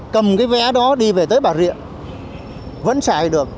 cầm cái vé đó đi về tới bà rịa vẫn xài được